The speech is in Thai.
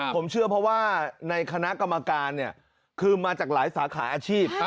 ผมเชื่อเพราะว่าในคณะกรรมการเนี่ยคือมาจากหลายสาขาอาชีพ